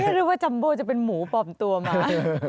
หรือว่าจำโบ้จะเป็นหมูปอบตัวมา